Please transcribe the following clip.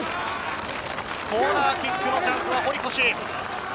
コーナーキックのチャンスは堀越。